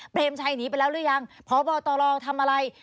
ชัยหนีไปแล้วหรือยังพบตรทำอะไร